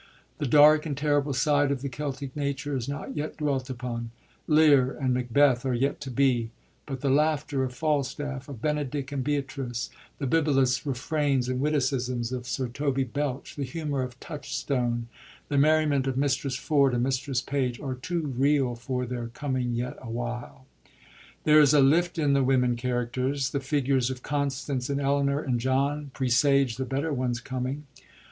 The dark and terrible side of the Keltic nature is not yet dwelt upon ; Lear and Macbeth are yet to be ; but the laughter of Falstaff, of Benedick and Beatrice, the bibulous refrains and witticisms of Sir Toby Belch, the humor of Touchstone, the merriment of Mistress Ford and Mistress Page, are too real for their coming yet awhile. There is a lift in the women characters. The figures of Constance and Elinor in John presage the better ones coming.